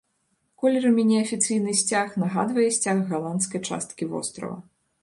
Колерамі неафіцыйны сцяг нагадвае сцяг галандскай часткі вострава.